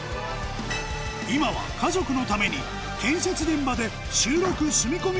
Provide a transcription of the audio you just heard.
今は家族のために建設現場で週６住み込み